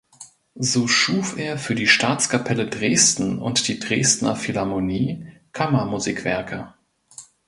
So schuf er für die Staatskapelle Dresden und die Dresdner Philharmonie Kammermusikwerke.